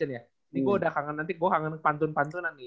ini gue udah kangen nanti gue pantun pantunan nih